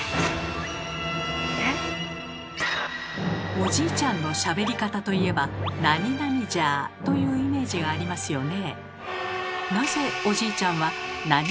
おじいちゃんのしゃべり方といえば「じゃ」と言うイメージがありますよね。